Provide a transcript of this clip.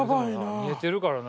見えてるからな。